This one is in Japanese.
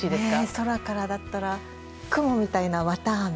空からだったら雲みたいなわたあめ？